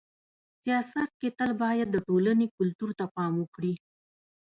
سیاست کي تل باید د ټولني کلتور ته پام وکړي.